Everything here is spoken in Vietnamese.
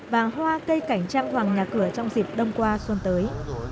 và hoa cây cảnh trang hoàng nhà cửa trong dịp đông qua xuân tới